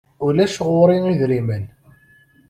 Ulac ɣur-i idrimen.